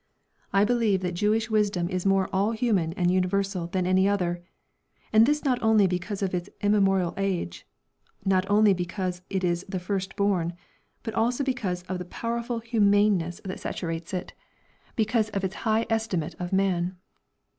I believe that Jewish wisdom is more all human and universal than any other, and this not only because of its immemorial age, not only because it is the first born, but also because of the powerful humaneness that saturates it, because of its high estimate of man.